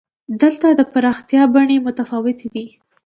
دلته د پراختیا بڼې متفاوتې دي.